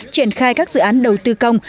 triển khai các dự án đầu tư công